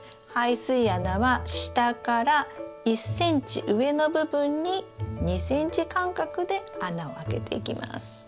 排水穴は下から１ｃｍ上の部分に２ｃｍ間隔で穴を開けていきます。